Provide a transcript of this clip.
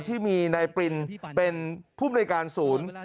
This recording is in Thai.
ที่มีในปรินเป็นผู้บริการศูนย์